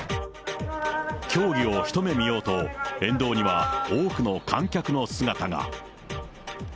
競技を一目見ようと、沿道には多くの観客の姿が。